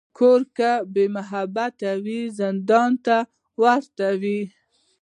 کور که بېمحبته وي، زندان ته ورته وي.